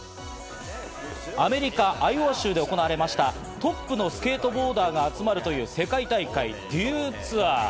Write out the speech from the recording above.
アメリカ・アイオワ州で行われましたトップのスケートボーダーが集まるという世界大会デュー・ツアー。